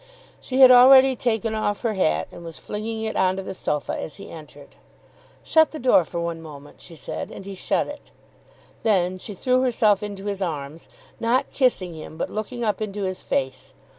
She had already taken off her hat and was flinging it on to the sofa as he entered. "Shut the door for one moment," she said; and he shut it. Then she threw herself into his arms, not kissing him but looking up into his face.